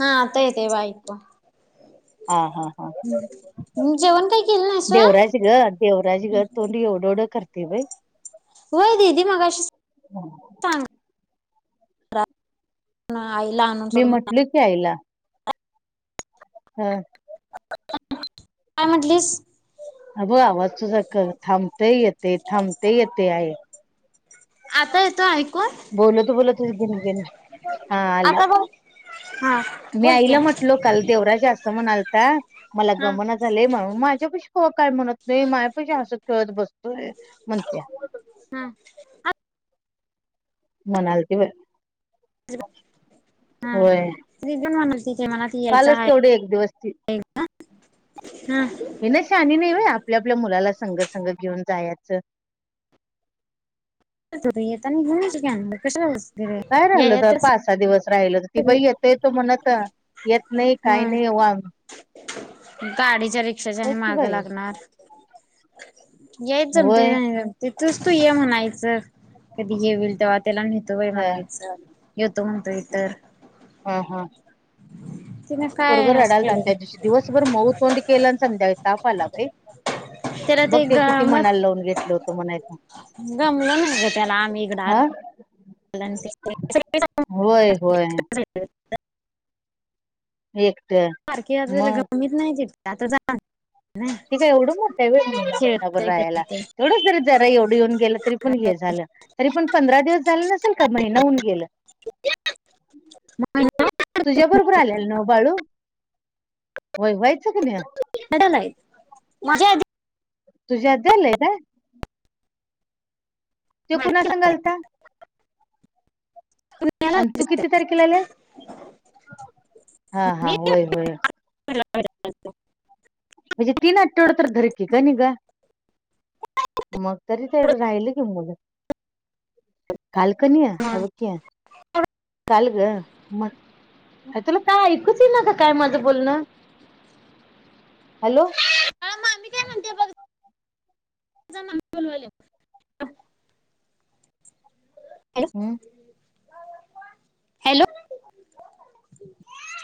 हा आता येतव ऐक हा हा हा म जेवण काही केलं नाहीसल देवराज ग ह त बा होय ददी मग अ हम आईला आणून मी सोड म्हणून म्हटल की आईला हम् काय म्हटलीस अगं आवाज तुझा थांबते येते थांबते येते आहे आता येतो ऐकू बोलत बोलतचेन गेन हा आला आता बघ हा मी बोलते आईला म्हटलो काल देवराज असत म्हणा आलता मला हा गमना झालेय म्हणून मा माझ्या पशी ख काय म्हणत नाही माझ पशी असं खेळत बस म्हण क हा मणालती व हा ती पण म्हणल तिथे मला त यायचं कालच तेवढे एक दिवस ती आहे हम् हे ना शहानी नाही भाय आपल्या आपल्या मुलाला संगसंग घेऊन जायचं येता घेनयची कीला कशालाज काय राहिल तर पाच सहा दिवस हिल ती सगळी बाई येत येतो म्हणत येत नाही काही नाही गाडी ्या रिक्षाच्या बघ आणि की माग बाई लागणार याेत जमते होय जमते तूच तू ये म्हणायचं कधी घेईल ते्हा ला नहितो ह म्हणायचं तुम द तरर ह हा तिने काय परघर अस रडाल केलं त्याच्याशी दिवसभर मऊ तोंड केलं आणि संध्याकाळी ताप आला रे त्याला बघ ते किती गमत मनाला लावून घेतलं होत [unintelligible] आहेत. गमलं नाही गं त्याला आम्ही इकड आत हा होय होय [unintelligible] एक बारकी अजून गमवीत नाही [unintelligible] त्यात [unintelligible] ते काय एवढं मोठ आहे होय महिनाभर खेळतय राहायला. करतय तेवढंच जरी जरा एवढं येऊन गेलं तरी पण हे झालं. तरी पण पंधरा दिवस झालं नसल का महिनाहून गेलं? तुझ्या बरोबर आल्याल नव बाळू? होय होयच [unintelligible] माझ्या आधी तुझी आधी आलंय काय? त्यो कुणा संग आलता? आणि तू किती तारखेला आल्यास? हा हा होय होय. [unintelligible] हे तीन आठवडं तर धर की कणी गं. मग तरी तेवढं राहिल की मुल. हाल कणी हे बघ की काल गं म तुला काय ऐकुच येईना का काय माझं बोलणं? हॅलो. मामी काय म्हणते बघ तिचा नंबर बोलवायल्या. हम्म. हॅलो